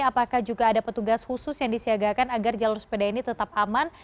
apakah juga ada petugas khusus yang disiagakan agar jalur sepeda ini tetap aman